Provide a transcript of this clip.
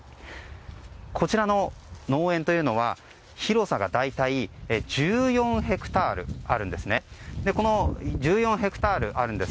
こちらの農園というのは、広さが大体１４ヘクタールあるんですね。